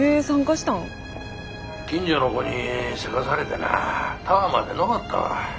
近所の子にせかされてなタワーまで上ったわ。